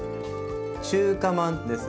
「中華まんです」。